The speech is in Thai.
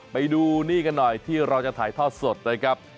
ไปดูนี่กันหน่อยที่เราจะถ่ายทอดสดนะครับ